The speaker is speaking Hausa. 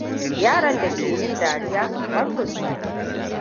Yaron da ke yin dariya Marcus ne.